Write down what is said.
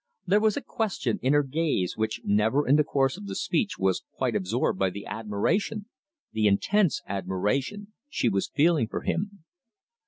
There was a question in her gaze, which never in the course of the speech was quite absorbed by the admiration the intense admiration she was feeling for him.